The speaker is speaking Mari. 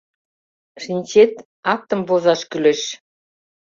— Шинчет... актым возаш кӱлеш...